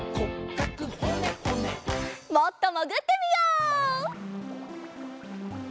もっともぐってみよう！